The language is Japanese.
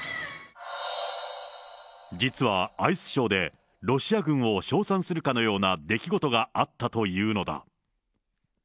実はアイスショーでロシア軍を称賛するかのような出来事があったというのだ。